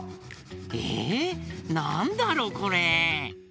えっなんだろこれ？